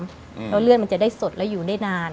แล้วเลือดมันจะได้สดแล้วอยู่ได้นาน